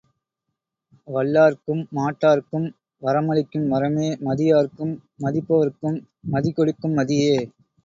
வல்லார்க்கும் மாட்டார்க்கும் வரமளிக்கும் வரமே மதியார்க்கும் மதிப்பவர்க்கும் மதிகொடுக்கும் மதியே!